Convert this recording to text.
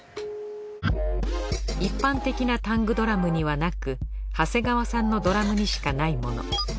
一般的なタングドラムにはなく長谷川さんのドラムにしかないもの。